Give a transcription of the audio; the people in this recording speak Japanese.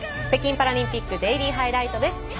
北京パラリンピックデイリーハイライトです。